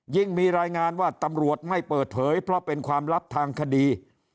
มีรายงานว่าตำรวจไม่เปิดเผยเพราะเป็นความลับทางคดี